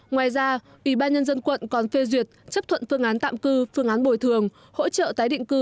ngoài ra ủy ban nhân dân quận còn phê duyệt chấp thuận phương án tạm cư phương án bồi thường hỗ trợ tái định cư